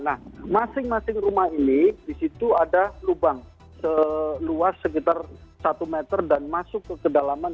nah masing masing rumah ini di situ ada lubang seluas sekitar satu meter dan masuk ke kedalaman